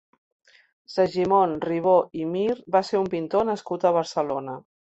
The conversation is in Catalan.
Segimon Ribó i Mir va ser un pintor nascut a Barcelona.